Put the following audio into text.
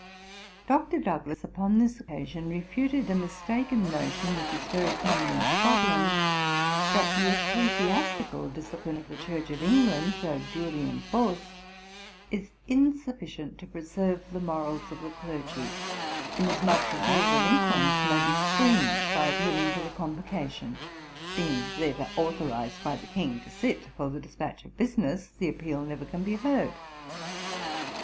Dr. Douglas, upon this occasion, refuted a mistaken notion which is very common in Scotland, that the ecclesiastical discipline of the Church of England, though duly enforced, is insufficient to preserve the morals of the clergy, inasmuch as all delinquents may be screened by appealing to the Convocation, which being never authorized by the King to sit for the dispatch of business, the appeal never can be heard.